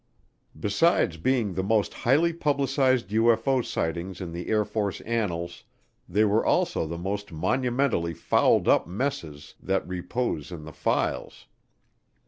Besides being the most highly publicized UFO sightings in the Air Force annals, they were also the most monumentally fouled up messes that repose in the files.